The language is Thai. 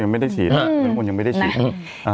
ไม่ได้ฉีดคุณนักรุงมนตร์ยังไม่ได้ฉีด